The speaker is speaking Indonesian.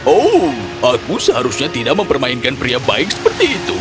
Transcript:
oh aku seharusnya tidak mempermainkan pria baik seperti itu